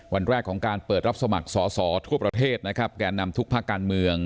วันแรกของการเปิดรับสมัครสอสอทั่วประเทศนะครับแก่นำทุกภาคการเมือง